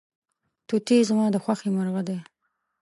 توتي زما د خوښې مرغه دی.